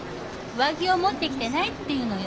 上着を持ってきてないって言うのよ。